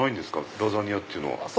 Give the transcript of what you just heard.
ラザニアっていうのは。